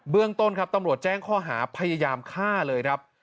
เรื่องต้นครับตำรวจแจ้งข้อหาพยายามฆ่าเลยครับ